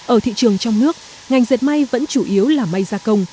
ở thị trường trong nước ngành dệt may vẫn chủ yếu là may gia công